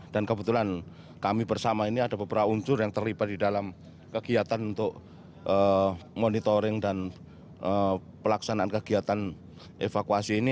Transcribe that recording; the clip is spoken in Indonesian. dan kebetulan kami bersama ini ada beberapa uncur yang terlibat di dalam kegiatan untuk monitoring dan pelaksanaan kegiatan evakuasi ini